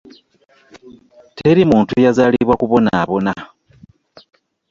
Teri muntu yazaalibwa kubonaabona.